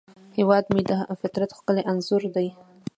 هیواد مې د فطرت ښکلی انځور دی